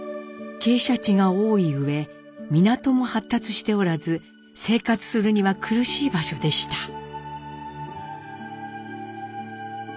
傾斜地が多いうえ港も発達しておらず生活するには苦しい場所でした。